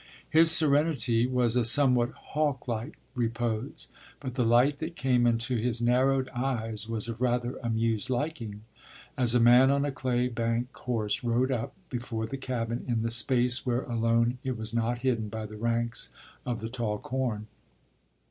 His serenity was a somewhat hawklike repose, but the light that came into his narrowed eyes was of rather amused liking, as a man on a claybank horse rode up before the cabin in the space where alone it was not hidden by the ranks of the tall corn.